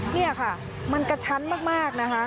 เนี่ยค่ะมันกระชั้นมาก